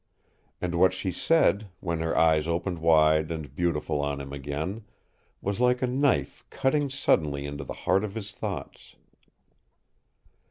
And what she said, when her eyes opened wide and beautiful on him again, was like a knife cutting suddenly into the heart of his thoughts.